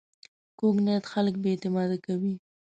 کوږ نیت خلک بې اعتماده کوي